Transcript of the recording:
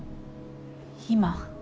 今。